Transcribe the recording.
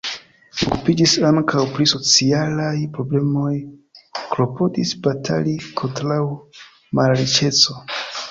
Li okupiĝis ankaŭ pri socialaj problemoj, klopodis batali kontraŭ malriĉeco.